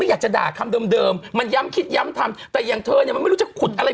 อยากจะด่าคำเดิมมันย้ำคิดย้ำทำแต่อย่างเธอเนี่ยมันไม่รู้จะขุดอะไร